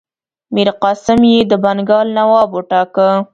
میرقاسم یې د بنګال نواب وټاکه.